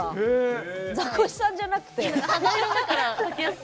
ザコシさんじゃなくて？